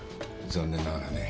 残念ながらね